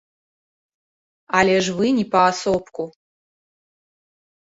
Але ж вы не паасобку.